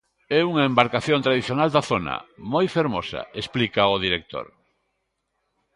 É unha embarcación tradicional da zona, moi fermosa, explica o director.